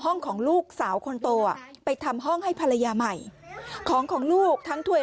ของลูกสาวคนโตอ่ะไปทำห้องให้ภรรยาใหม่ของของลูกทั้งถ่วย